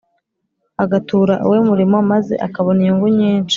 Agatura uwe murimo maze akabona inyungu nyinshi